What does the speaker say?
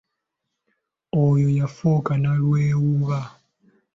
Oyo yafuuka nalwewuuba.